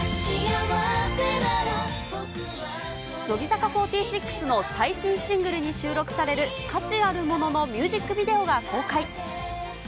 乃木坂４６の最新シングルに収録される価値あるもののミュージックビデオが公開。